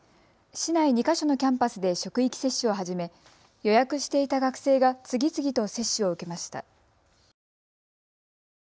市内２か所のキャンパスで職域接種を始め予約していた学生が次々と接種を受けました。